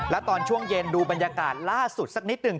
แล้วตอนช่วงเย็นดูบรรยากาศล่าสุดสักนิดหนึ่ง